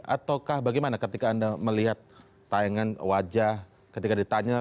ataukah bagaimana ketika anda melihat tayangan wajah ketika ditanya